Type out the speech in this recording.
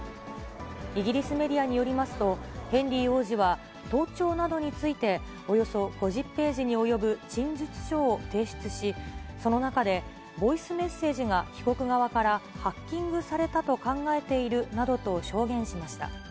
イギリスメディアによりますと、ヘンリー王子は、盗聴などについて、およそ５０ページに及ぶ陳述書を提出し、その中でボイスメッセージが被告側からハッキングされたと考えているなどと証言しました。